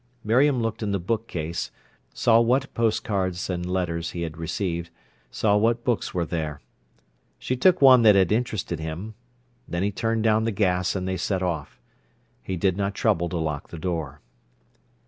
Miriam looked in the bookcase, saw what postcards and letters he had received, saw what books were there. She took one that had interested him. Then he turned down the gas and they set off. He did not trouble to lock the door.